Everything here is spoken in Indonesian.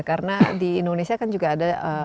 karena di indonesia kan juga ada